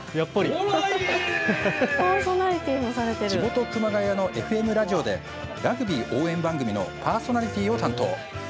地元、熊谷のＦＭラジオでラグビー応援番組のパーソナリティーを担当。